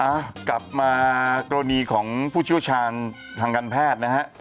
อ่ะกลับมากรณีของผู้เชี่ยวชาญทางการแพทย์นะฮะ